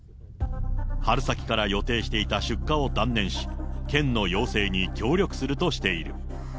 春先から予定していた出荷を断念し、県の要請に協力するとしている。